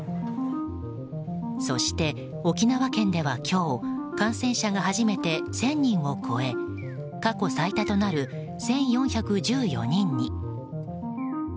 そして、沖縄県では今日感染者が初めて１０００人を超え過去最多となる１４１４人に。